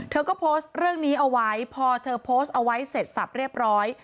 เธอก็โพสต์เรื่องนี้เอาไว้พอเธอโพสต์เอาไว้เสร็จสับเรียบร้อย